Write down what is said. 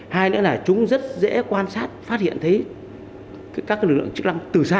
hai nữa là chúng rất dễ quan sát phát hiện thấy các lực lượng chức năng từ xa